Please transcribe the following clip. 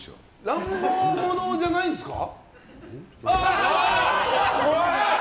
乱暴者じゃないんですか？